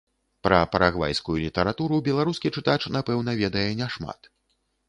Пра парагвайскую літаратуру беларускі чытач напэўна ведае няшмат.